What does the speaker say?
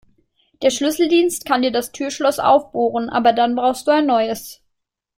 Der Schlüsseldienst kann dir das Türschloss aufbohren, aber dann brauchst du ein neues.